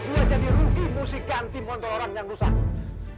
gua jadi rugi musik ganti montir orang yang rusak